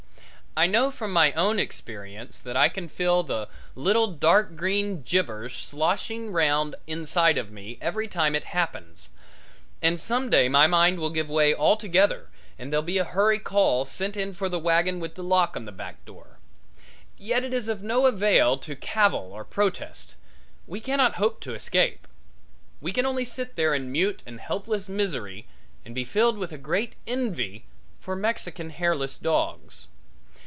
I know from my own experience that I can feel the little dark green gibbers sloshing round inside of me every time it happens, and some day my mind will give away altogether and there'll be a hurry call sent in for the wagon with the lock on the back door. Yet it is of no avail to cavil or protest; we cannot hope to escape; we can only sit there in mute and helpless misery and be filled with a great envy for Mexican hairless dogs.